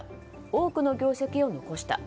多くの業績を残した。